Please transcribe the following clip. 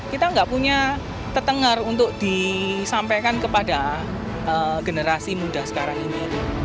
kita nggak punya tetengar untuk disampaikan kepada generasi muda sekarang ini